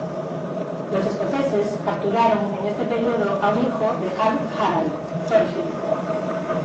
Los escoceses capturaron en este periodo a un hijo del jarl Harald, Thorfinn.